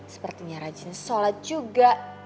sepertinya rajin sholat juga